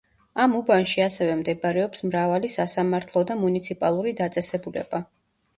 ამ უბანში ასევე მდებარეობს მრავალი სასამართლო და მუნიციპალური დაწესებულება.